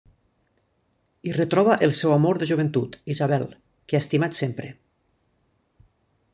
Hi retroba el seu amor de joventut, Isabel, que ha estimat sempre.